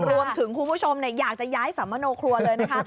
คุณผู้ชมอยากจะย้ายสัมมโนครัวเลยนะคะ